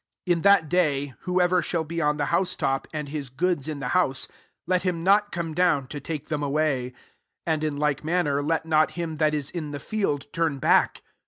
31 *< In that da,y, whoever shall be on the house top, and his goods in the house, let him not come down to take them away ; and, in like man ner, let not him that is in the field turn back.